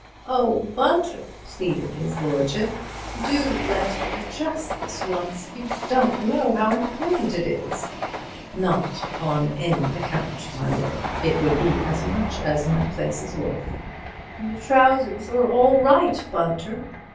"Oh, Bunter," pleaded his lordship, "do let me—just this once. You don't know how important it is." "Not on any account, my lord. It would be as much as my place is worth." "The trousers are all right, Bunter."